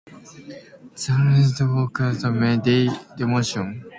The Tech Workers Coalition prominently participated in Bay Area May Day demonstrations.